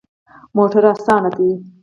موټر اسانه ده